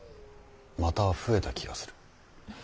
また増えた気がする。